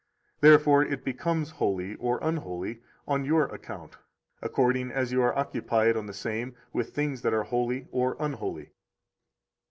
Therefore it becomes holy or unholy on your account, according as you are occupied on the same with things that are holy or unholy.